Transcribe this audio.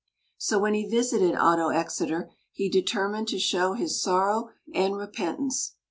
So when he visited Ottoxeter, he determined to show his sorrow and repentance.